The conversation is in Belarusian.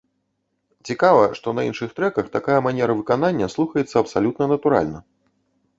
Цікава, што на іншых трэках такая манера выканання слухаецца абсалютна натуральна.